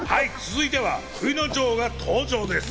続いては冬の女王が登場です。